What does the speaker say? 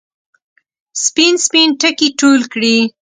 سپین، سپین ټکي ټول کړي